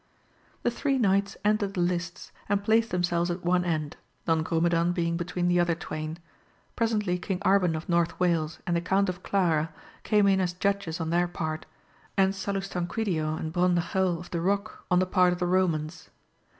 The three knights entered the lists, and placed themselves at one end, Don Grumedan being between the other twain : presently King Arban of North Wales and the Count of Clara came in as judges on their part ; and Salustanquidio and Brondajel of the Eock, on the part of the Romans.